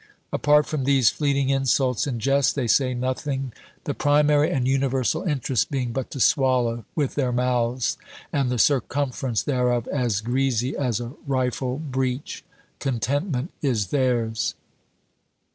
Apart from these fleeting insults and jests, they say nothing, the primary and universal interest being but to swallow, with their mouths and the circumference thereof as greasy as a rifle breech. Contentment is theirs.